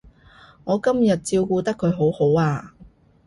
我今日照顧得佢好好啊